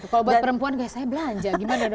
kalau buat perempuan biasanya belanja gimana dong